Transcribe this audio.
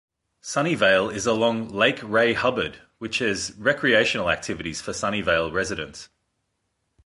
Sunnyvale is along Lake Ray Hubbard, which has recreational activities for Sunnyvale residents.